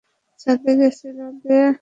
ছাদে গেছে, রোদ লাগাতে।